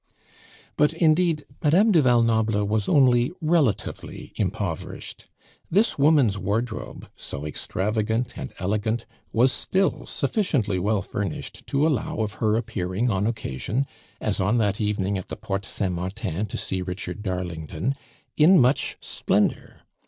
But, indeed, Madame du Val Noble was only relatively impoverished. This woman's wardrobe, so extravagant and elegant, was still sufficiently well furnished to allow of her appearing on occasion as on that evening at the Porte Saint Martin to see Richard Darlington in much splendor.